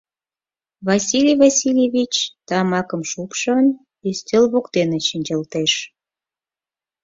Василий Васильевич, тамакым шупшын, ӱстел воктене шинчылтеш.